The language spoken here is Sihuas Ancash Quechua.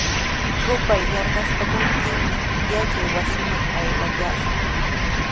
Rupay yarqaskamuptinmi yachaywasiman aywakullaashun.